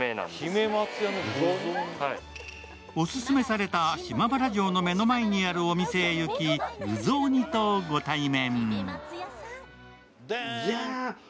オススメされた島原城の目の前にあるお店に行き、具雑煮とご対面。